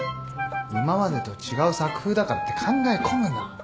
今までと違う作風だからって考え込むな。